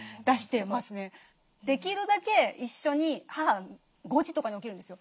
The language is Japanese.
できるだけ一緒に母５時とかに起きるんですよ。